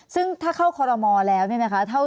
ซึ่งถ้าเข้าคอรมอลแล้วเนี่ยนะคะ